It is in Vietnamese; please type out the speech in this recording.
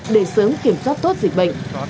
để sớm kiểm soát tốt dịch bệnh